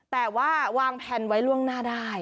แต่ว่าวางแผนไว้ล่วงหน้าได้